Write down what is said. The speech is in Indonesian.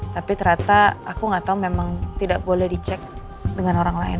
tapi ternyata aku nggak tahu memang tidak boleh dicek dengan orang lain